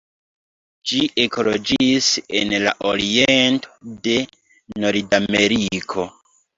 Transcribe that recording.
Ĝi ekloĝis en la oriento de Nordameriko.